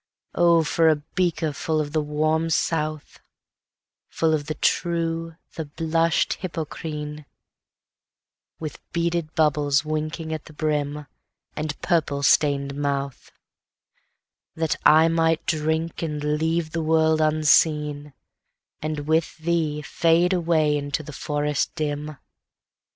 O for a beaker full of the warm South, Full of the true, the blushful Hippocrene, With beaded bubbles winking at the brim, And purple stained mouth; That I might drink, and leave the world unseen, And with thee fade away into the forest dim:3.